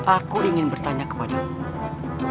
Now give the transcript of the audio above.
aku ingin bertanya kepadamu